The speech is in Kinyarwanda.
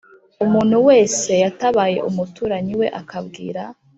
Umuntu wese yatabaye umuturanyi we akabwira